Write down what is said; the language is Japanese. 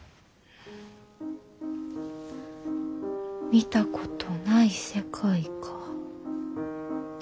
見たことない世界か。